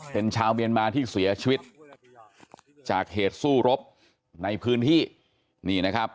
เป็นชาวเมียนมาที่เสียชีวิตจากเหตุสู้รบในพื้นที่นี่นะครับ